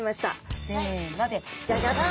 せのでギョギョッと！